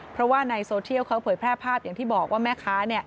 เพราะว่าในโซเชียลเขาเผยแพร่ภาพอย่างที่บอกว่าแม่ค้า